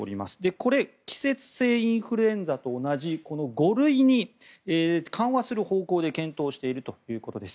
これを季節性インフルエンザと同じ５類に緩和する方向で検討しているということです。